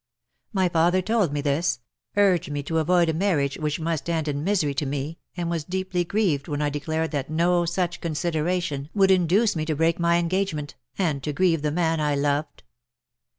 My father told me this — urged me to avoid a marriage which must end in misery to me, and was deeply grieved when I de clared that no such consideration would induce me to break my engagement, and to grieve the man THE DAYS THAT ARE NO MORE. 7 I loved.